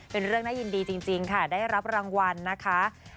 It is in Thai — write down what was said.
เป็นเรื่องน่ายินดีจริงค่ะได้รับรางวัลนะคะ